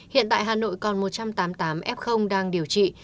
hiện tại hà nội còn một trăm tám mươi tám f đang điều trị